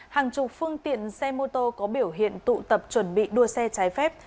hàng chục phương tiện xe mô tô có biểu hiện tụ tập chuẩn bị đua xe trái phép